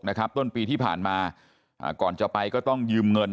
ต้นปีที่ผ่านมาก่อนจะไปก็ต้องยืมเงิน